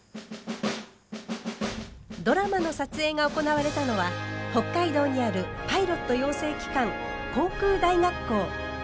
ドラマの撮影が行われたのは北海道にあるパイロット養成機関航空大学校。